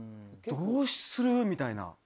どうする？みたいな。